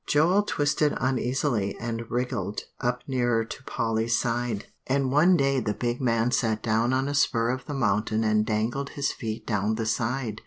Joel twisted uneasily and wriggled up nearer to Polly's side. "And one day the big man sat down on a spur of the mountain and dangled his feet down the side.